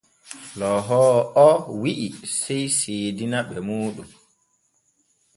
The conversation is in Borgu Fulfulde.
Loohoowo o wi’i sey seedina ɓe muuɗum.